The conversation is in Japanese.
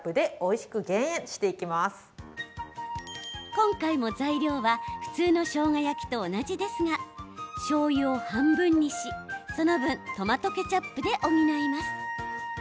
今回も材料は普通のしょうが焼きと同じですがしょうゆを半分にし、その分トマトケチャップで補います。